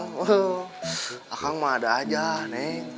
kakak mah ada aja neng